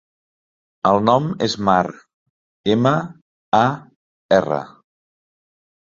El nom és Mar: ema, a, erra.